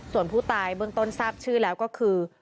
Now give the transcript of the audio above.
ส่วนผู้ตายเบื้องต้นทราบชื่อแล้วก็คือ